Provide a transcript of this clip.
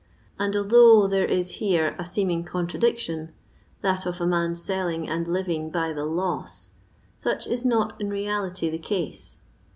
and although there is here a teeming contradiction — that of a man selling and living by the loss — such is not in reality the case.